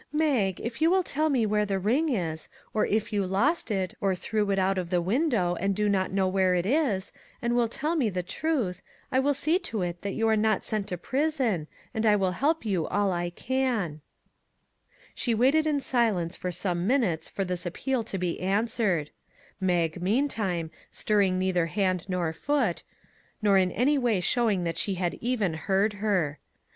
Mag, if you will tell me where the ring is, or if 'you lost it, or threw it out of the window, and do not know where it is, and will tell me the truth, I will see to it that you are not sent to prison, and I will help you all I can." 109 MAG AND MARGARET She waited in silence for some minutes for this appeal to be answered; Mag, meantime, stirring neither hand nor foot, nor in any way showing that she had even heard her.